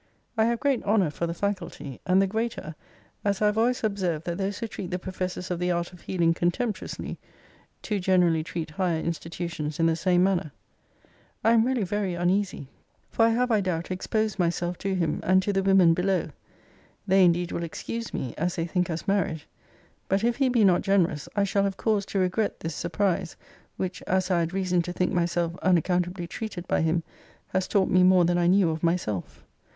I have great honour for the faculty; and the greater, as I have always observed that those who treat the professors of the art of healing contemptuously, too generally treat higher institutions in the same manner. I am really very uneasy. For I have, I doubt, exposed myself to him, and to the women below. They indeed will excuse me, as they think us married. But if he be not generous, I shall have cause to regret this surprise; which (as I had reason to think myself unaccountably treated by him) has taught me more than I knew of myself.